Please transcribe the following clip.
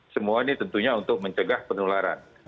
semua ini tentunya untuk mencegah penularan